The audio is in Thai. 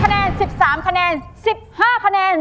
คะแนน๑๓คะแนน๑๕คะแนน